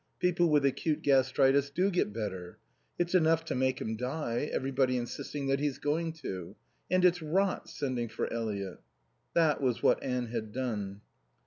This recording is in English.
People with acute gastritis do get better. It's enough to make him die, everybody insisting that he's going to. And it's rot sending for Eliot." That was what Anne had done.